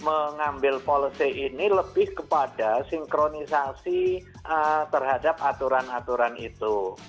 mengambil policy ini lebih kepada sinkronisasi terhadap aturan aturan itu